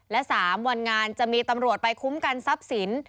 และ๓วันงานจะมีตำรวจไปคุ้มกันทรัพย์สิน